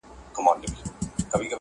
په ډېر جبر په خواریو مي راتله دي٫